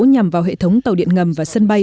nhằm vào hệ thống tàu điện ngầm và sân bay